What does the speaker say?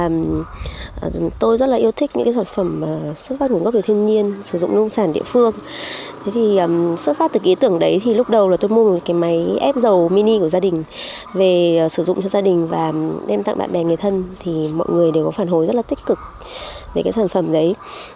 mọi người đều có phản hồi rất là tích cực về cái sản phẩm đấy